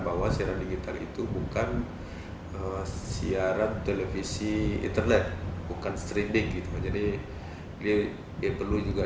bahwa siaran digital itu bukan siaran televisi internet bukan streaming gitu jadi dia ya perlu juga